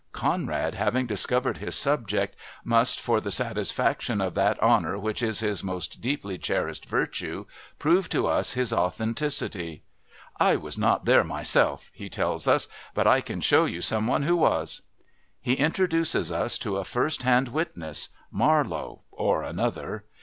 Conrad, having discovered his subject, must, for the satisfaction of that honour which is his most deeply cherished virtue, prove to us his authenticity. "I was not there myself," he tells us, "but I can show you someone who was." He introduces us to a first hand witness, Marlowe or another.